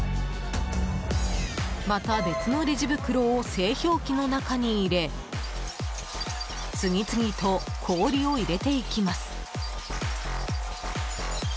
また別のレジ袋を製氷機の中に入れ次々と氷を入れていきます。